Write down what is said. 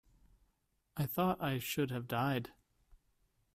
I thought I should have died.